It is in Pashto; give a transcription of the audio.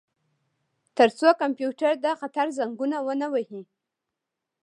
ترڅو کمپیوټر د خطر زنګونه ونه وهي